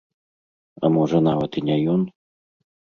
А можа нават і не ён?